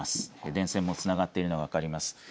電線もつながっているのが分かります。